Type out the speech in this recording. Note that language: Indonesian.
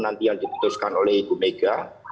nanti yang diputuskan oleh ibu mega